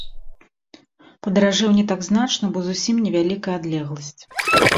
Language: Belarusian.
Падаражэў не так значна, бо зусім невялікая адлегласць.